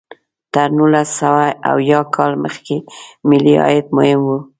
تر نولس سوه اویا کال مخکې ملي عاید مهم و.